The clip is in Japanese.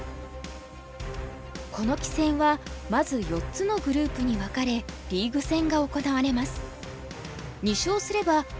この棋戦はまず４つのグループに分かれリーグ戦が行われます。